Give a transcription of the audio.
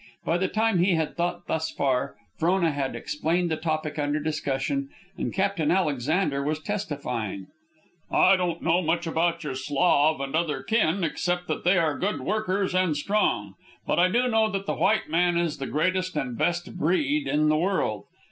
By the time he had thought thus far, Frona had explained the topic under discussion, and Captain Alexander was testifying. "I don't know much about your Slav and other kin, except that they are good workers and strong; but I do know that the white man is the greatest and best breed in the world.